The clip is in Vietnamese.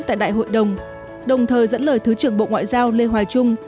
tại đại hội đồng đồng thời dẫn lời thứ trưởng bộ ngoại giao lê hoài trung